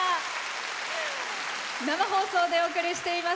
生放送でお送りしています